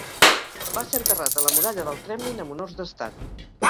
Va ser enterrat a la muralla del Kremlin amb honors d'Estat.